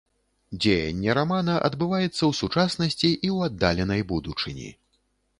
Дзеянне рамана адбываецца ў сучаснасці і ў аддаленай будучыні.